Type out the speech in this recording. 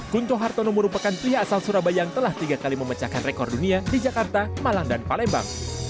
kunto hartono merupakan pria asal surabaya yang telah tiga kali memecahkan rekor dunia di jakarta malang dan palembang